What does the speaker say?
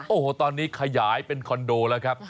โอ้โหตอนนี้ขยายเป็นคอนโดแล้วครับ